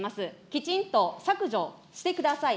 きちんと削除してください。